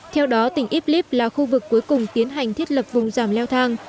theo đó tỉnh iblis là khu vực cuối cùng tiến hành thiết lập vùng giảm leo thang